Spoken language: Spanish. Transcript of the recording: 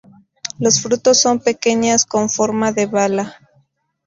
Los frutos son pequeñas con forma de bala.